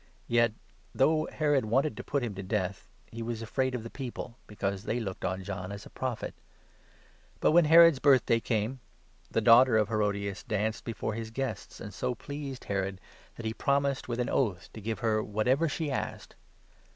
Yet, though Herod wanted to put him to death, he was afraid of the people, because they looked on John as a Prophet. But, when Herod's birthday came, the daughter of Herodias danced before his guests, and so pleased Herod, that he promised with an oath to give her whatever she asked.